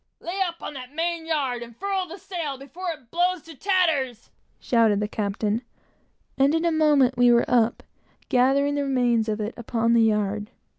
"Lay up on that main yard and furl the sail, before it blows to tatters!" shouted the captain; and in a moment, we were up, gathering the remains of it upon the yard.